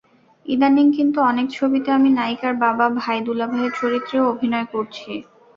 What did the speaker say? ইদানীং কিন্তু অনেক ছবিতে আমি নায়িকার বাবা, ভাই, দুলাভাইয়ের চরিত্রেও অভিনয় করছি।